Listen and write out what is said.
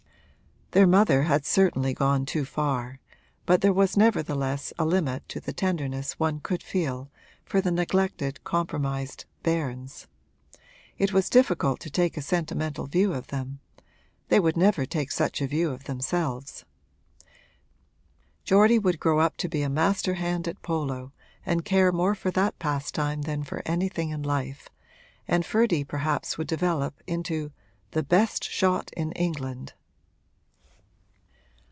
Their mother had certainly gone too far; but there was nevertheless a limit to the tenderness one could feel for the neglected, compromised bairns. It was difficult to take a sentimental view of them they would never take such a view of themselves. Geordie would grow up to be a master hand at polo and care more for that pastime than for anything in life, and Ferdy perhaps would develop into 'the best shot in England.'